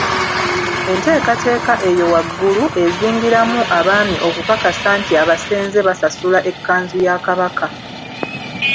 Enteekateeka eyo waggulu ezingiramu Abaami okukakasa nti abasenze basasula ekkanzu ya Kabaka.